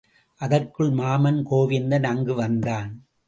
அதற்குள் மாமன் கோவிந்தன் அங்கு வந்தான்.